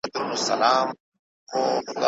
د پوليټيکس اصطلاح د يوناني ژبې څخه ريښه اخلي.